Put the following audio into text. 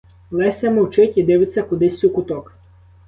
Леся мовчить і дивиться кудись у куток.